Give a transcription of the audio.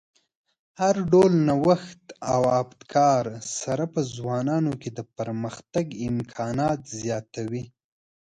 د هر ډول نوښت او ابتکار سره په ځوانانو کې د پرمختګ امکانات زیاتوي.